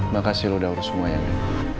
makasih lo udah urus semuanya